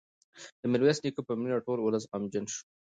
د میرویس نیکه په مړینه ټول ولس غمجن شو.